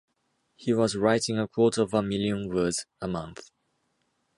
He was writing a quarter of a million words a month.